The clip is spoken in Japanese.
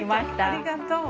ありがとう。